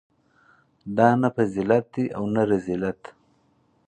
دا نه فضیلت دی او نه رذیلت.